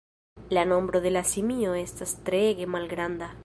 La nombro de la simio estas treege malgranda.